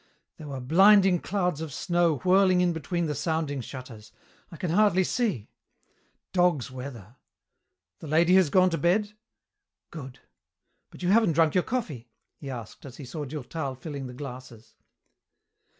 "There were blinding clouds of snow whirling in between the sounding shutters. I can hardly see. Dog's weather. The lady has gone to bed? Good. But you haven't drunk your coffee?" he asked as he saw Durtal filling the glasses.